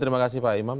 terima kasih pak imam